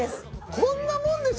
こんなもんでしょ